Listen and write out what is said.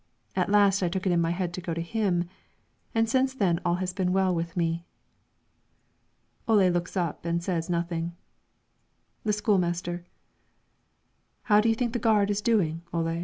At last I took it into my head to go to him, and since then all has been well with me." Ole looks up and says nothing. The school master: "How do you think the gard is doing, Ole?"